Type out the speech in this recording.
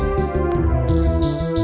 apapun bermoment yang ada